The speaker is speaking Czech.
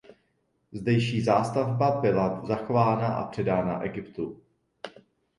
Zdejší zástavba byla zachována a předána Egyptu.